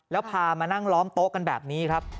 แล้วพามานั่งล้อมโต๊ะกันแบบนี้ครับ